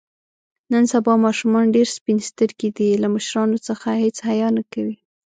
نن سبا ماشومان ډېر سپین سترګي دي. له مشرانو څخه هېڅ حیا نه کوي.